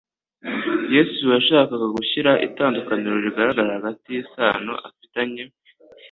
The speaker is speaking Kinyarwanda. Yesu yashakaga gushyira itandukaniro rigaragara hagati y'isano afitanye